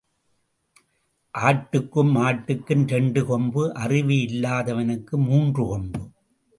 ஆட்டுக்கும் மாட்டுக்கும் இரண்டு கொம்பு அறிவு இல்லாதவனுக்கு மூன்று கொம்பு.